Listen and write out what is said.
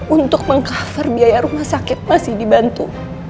untuk meng cover biaya rumah sakit masih dibantu